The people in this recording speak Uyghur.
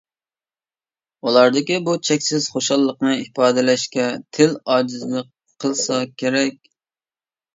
ئۇلاردىكى بۇ چەكسىز خۇشاللىقنى ئىپادىلەشكە تىل ئاجىزلىق قىلسا كېرەك.